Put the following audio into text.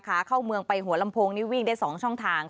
ขาเข้าเมืองไปหัวลำโพงนี่วิ่งได้๒ช่องทาง